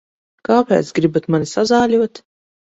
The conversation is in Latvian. Kāpēc gribat mani sazāļot?